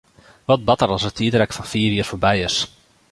Wat bart der as it tiidrek fan fiif jier foarby is?